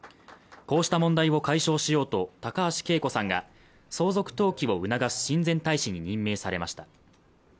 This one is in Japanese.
こうした問題を解消しようと高橋惠子さんが、相続登記を促す親善大使に任命されました。